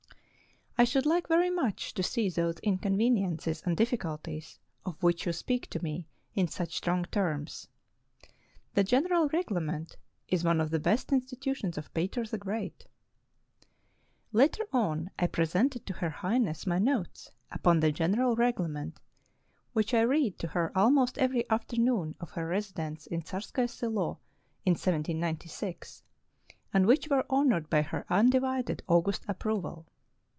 "I should like very much to see those inconveniences and difficulties of which you speak to me in such strong terms. The General Reglement is one of the best insti tutions of Peter the Great." Later on, I presented to Her Highness my notes upon the General Reglement, which I read to her almost every afternoon of her resi dence in Tsarskoe Selo in 1796, and which were honored by her undivided august approval.